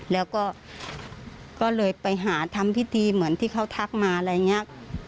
แล้วก็ก็เลยไปหาทำพิธีเหมือนที่เขาทักมาอะไรอย่างนี้